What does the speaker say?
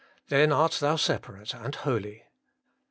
Then art thou separate and holy.